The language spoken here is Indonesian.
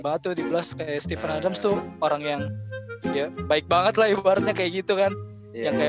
batu di belas kayak steven adams tuh orang yang baik banget lah ibaratnya kayak gitu kan ya kayak